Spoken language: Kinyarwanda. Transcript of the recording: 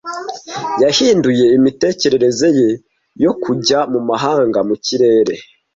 Yahinduye imitekerereze ye yo kujya mu mahanga mu kirere.